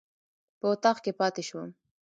په اطاق کې پاتې شوم.